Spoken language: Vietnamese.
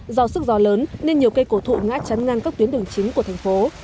do sức gió lớn nên nhiều cây cổ thụ ngã chắn ngăn các tuyến đường chính của thành phố